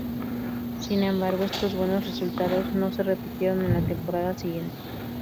Sin embargo, estos buenos resultados no se repitieron en la temporada siguiente.